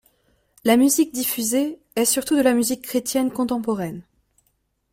La musique diffusée est surtout de la musique chrétienne contemporaine.